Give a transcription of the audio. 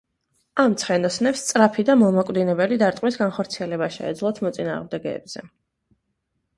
ამ ცხენოსნებს სწრაფი და მომაკვდინებელი დარტყმის განხორციელება შეეძლოთ მოწინააღმდეგეზე.